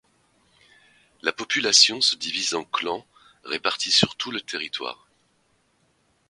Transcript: La population se divise en clans répartis sur tout le territoire.